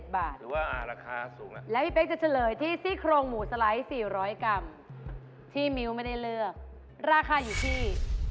หรือว่าราคาสูงแล้วแล้วพี่เป๊กจะเฉลยที่ซี่โครงหมูสไลด์๔๐๐กรัมที่มิ้วไม่ได้เลือกราคาอยู่ที่